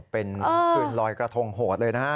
เป็นคืนลอยกระทงโหดเลยนะฮะ